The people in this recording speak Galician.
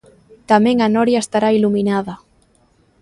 Tamén a noria estará iluminada.